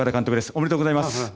おめでとうございます。